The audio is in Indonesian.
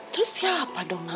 terus siapa dong ma